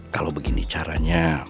kalau begini caranya